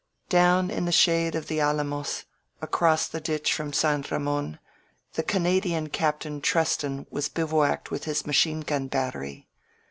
••• Down in the shade of the alamos, across the ditch from San Ramon, the Canadian Captain Treston was bivouacked with his machine gun battery.